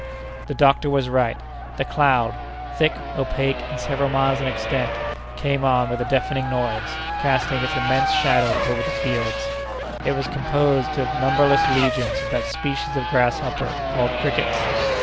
The doctor was right. The cloud, thick, opaque, and several miles in extent, came on with a deafening noise, casting its immense shadow over the fields. It was composed of numberless legions of that species of grasshopper called crickets.